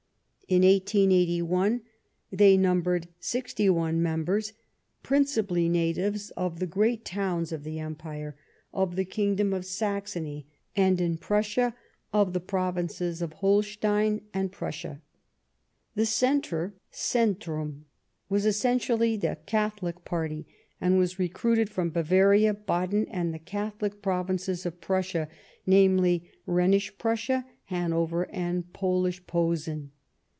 In 1881 they numbered 61 members, principally natives of the great towns of the Empire, of the Kingdom of Saxony, and, in Prussia, of the Provinces of Holstein and Prussia. The Centre — Centrum — ^was essentially the Catholic party and was recruited from Bavaria, Baden and the Catholic Provinces of Prussia, namely, Rhenish Prussia, Hanover and Polish Posen.